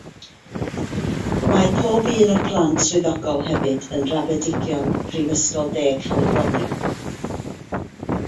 Mae pob un o'r plant swyddogol hefyd yn raddedigion Prifysgol De Califfornia.